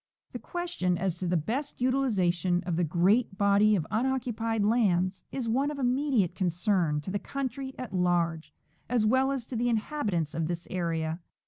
The question as to the best utilization of the great body of unoccupied lands is one of immediate concern to the country at large, as well as to the inhabitants of this area.